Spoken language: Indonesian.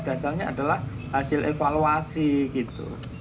dasarnya adalah hasil evaluasi gitu